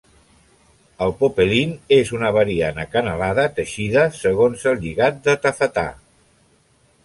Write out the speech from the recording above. El popelín és una variant acanalada teixida segons el lligat de tafetà.